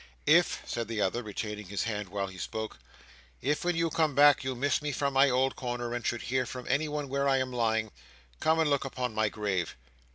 "If," said the other, retaining his hand while he spoke; "if when you come back, you miss me from my old corner, and should hear from anyone where I am lying, come and look upon my grave.